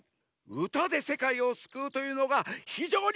うたでせかいをすくうというのがひじょうにすばらしいざんすね。